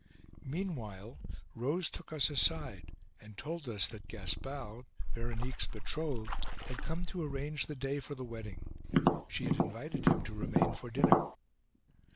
Meanwhile, Rose took us aside and told us that Gaspard, Veronique's betrothed, had come to arrange the day for the wedding. She had invited him to remain for dinner.